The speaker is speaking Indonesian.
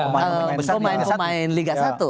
pemain pemain liga satu